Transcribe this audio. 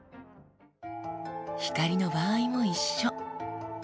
光の場合も一緒。